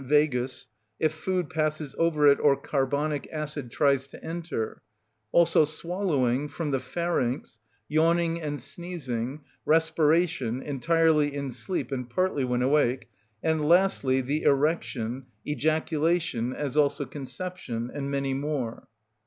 vagus_) if food passes over it or carbonic acid tries to enter; also swallowing, from the pharynx, yawning and sneezing, respiration, entirely in sleep and partly when awake; and, lastly, the erection, ejaculation, as also conception, and many more.